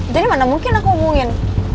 jadi mana mungkin aku hubungin